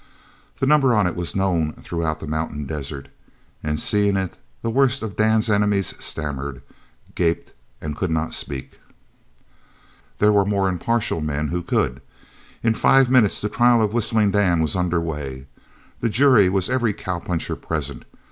The number on it was known throughout the mountain desert, and seeing it, the worst of Dan's enemies stammered, gaped, and could not speak. There were more impartial men who could. In five minutes the trial of Whistling Dan was under way. The jury was every cowpuncher present.